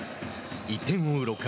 １点を追う６回。